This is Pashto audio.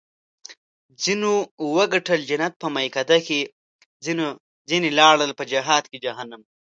ځینو وګټل جنت په میکده کې ځیني لاړل په جهاد کې جهنم ته